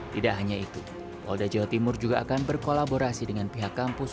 tidak hanya itu polda jawa timur juga akan berkolaborasi dengan pihak kampus